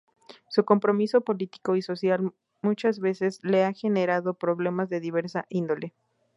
Su compromiso político y social muchas veces le ha generado problemas de diversa índole.